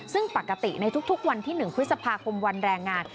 ซึ่งปกติในทุกวันที่๑พฤษภาคมวันแรงงาน